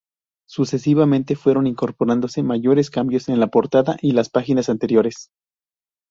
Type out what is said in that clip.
Sucesivamente, fueron incorporándose mayores cambios en la portada y las páginas interiores.